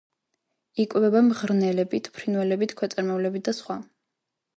იკვებება მღრღნელებით, ფრინველებით, ქვეწარმავლებით და სხვა.